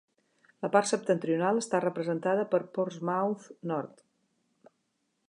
La part septentrional està representada per Portsmouth North.